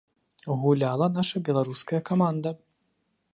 Гуляла наша беларуская каманда.